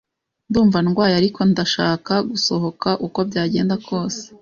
Ndumva ndwaye, ariko ndashaka gusohoka uko byagenda kose.